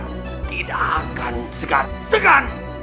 kau tidak akan segar segar